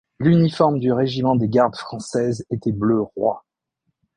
L'uniforme du Régiment des Gardes françaises était bleu roi.